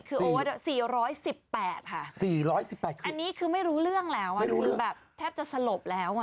๔๑๘ค่ะอันนี้คือไม่รู้เรื่องแล้วแทบจะสลบแล้ว